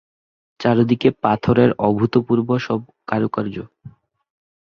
চারিদিকে পাথরের অভূতপূর্ব সব কারুকার্য।